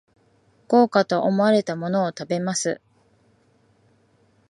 豪華と思われたものを食べます